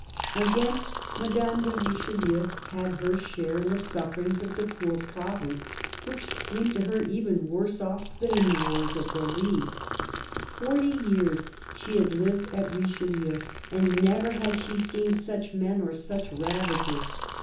Again Madame de Richelieu had her share in the sufferings of the poor province, which seemed to her even worse off" than in ^e CARDINAL DE RICHELIEU the Wars of the League. Forty years she had lived at Richelieu, and never had she seen such men or such ravages.